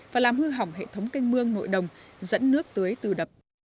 và làm hư hỏng hệ thống canh mương nội đồng dẫn nước tưới từ đập